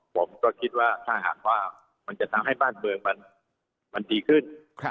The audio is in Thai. ผมก็คิดว่าถ้าหากว่ามันจะทำให้บ้านเมืองมันดีขึ้น